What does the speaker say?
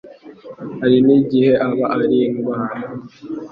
hari n'igihe aba ari indwara